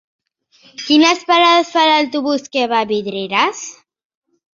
Quines parades fa l'autobús que va a Vidreres?